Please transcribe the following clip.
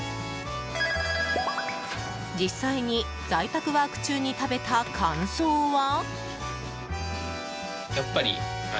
実際に在宅ワーク中に食べた感想は？